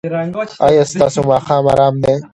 ایا ستاسو ماښام ارام دی؟